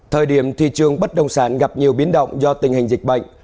thời điểm thị trường bất động sản gặp nhiều biến động do tình hình dịch bệnh